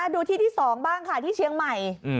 ดูที่ที่๒บ้างค่ะที่เชียงใหม่